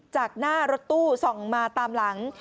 จากหน้ารถตู้ส่องมาตามหลัง